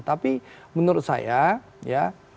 tapi menurut saya ya